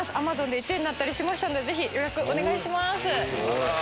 Ａｍａｚｏｎで１位になったりしたのでぜひ予約お願いします。